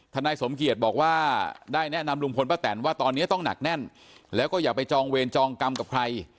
นายสมเกียจบอกว่าได้แนะนำลุงพลป้าแตนว่าตอนนี้ต้องหนักแน่นแล้วก็อย่าไปจองเวรจองกรรมกับใคร